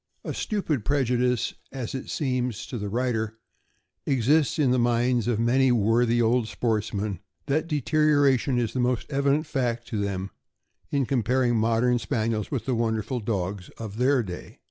A stupid prejudice, as it seems to the writer, exists in the minds of many worthy old sportsmen, that deterioration is the most evident fact to them in comparing modern Spaniels with the wonderful dogs of their day.